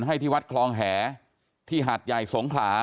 ให้ที่วัดคลองแหที่หาดใหญ่สงขลา